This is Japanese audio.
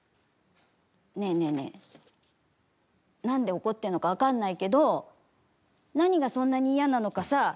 ねえねえねえ、なんで怒っているのか分かんないけど何がそんなに嫌なのかさ